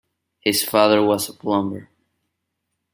His father was a plumber.